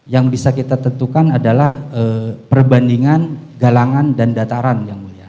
yang bisa kita tentukan adalah perbandingan galangan dan dataran yang mulia